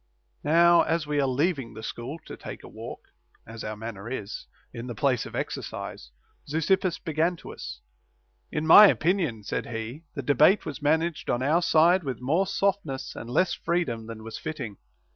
2. Now as we were leaving the school to take a walk (as our manner is) in the place of exercise, Zeuxippus began to us : In my opinion, said he, the debate was man aged on our side with more softness and less freedom than was fitting.